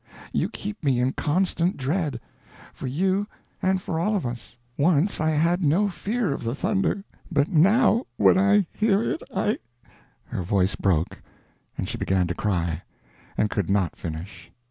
You keep me in constant dread. For you and for all of us. Once I had no fear of the thunder, but now when I hear it I " Her voice broke, and she began to cry, and could not finish.